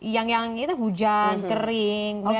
yang hujan kering